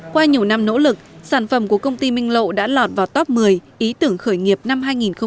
qua nhiều năm nỗ lực sản phẩm của công ty minh lộ đã lọt vào top một mươi ý tưởng khởi nghiệp năm hai nghìn hai mươi